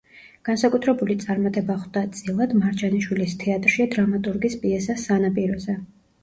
განსაკუთრებული წარმატება ხვდა წილად მარჯანიშვილის თეატრში დრამატურგის პიესას „სანაპიროზე“.